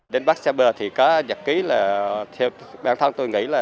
đến bắt xa bờ thì có nhật ký là theo bản thân tôi nghĩ là